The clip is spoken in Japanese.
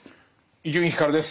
伊集院光です。